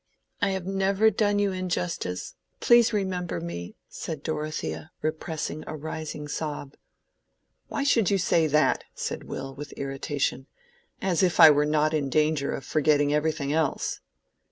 "I have never done you injustice. Please remember me," said Dorothea, repressing a rising sob. "Why should you say that?" said Will, with irritation. "As if I were not in danger of forgetting everything else."